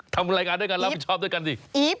ทำรายการด้วยกันรับผิดชอบด้วยกันดิ